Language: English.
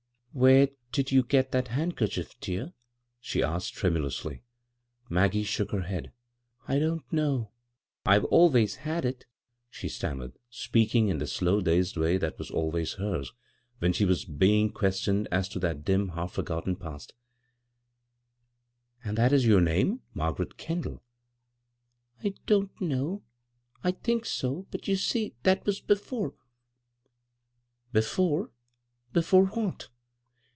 " Where did you get that handkerchief, dear P " she asked tremulously. Maggie shook her head. " I don't know, I've always had it," she stammered, speaking in the slow, dazed way that was always hers when she was being questioned as to that dim, half forgotten past " And is that your name — Margaret Ken daU?" " I don't know. I think so— but you see that was before." " Before ? Before what